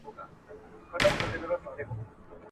چي یې کټ ته دواړي پښې کړلې ور وړاندي.